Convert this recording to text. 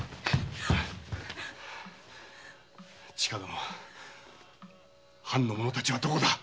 千加殿藩の者たちはどこだ！